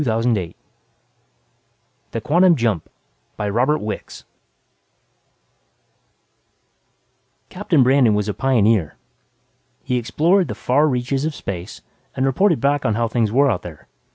|||++ THE QUANTUM JUMP By ROBERT WICKS Illustrator Llewellyn _Captain Brandon was a pioneer. He explored the far reaches of space and reported back on how things were out there.